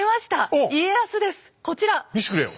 見せてくれよ。